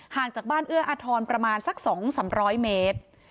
ห่างจากบ้านเอื้ออาทรประมาณสักสองสามร้อยเมตร